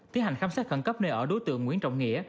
tiến hành khám xét khẩn cấp nơi ở đối tượng nguyễn trọng nghĩa